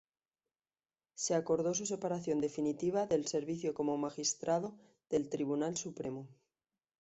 Se acordó su separación definitiva del servicio como magistrado del Tribunal Supremo.